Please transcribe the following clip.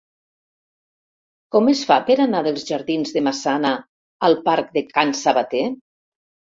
Com es fa per anar dels jardins de Massana al parc de Can Sabater?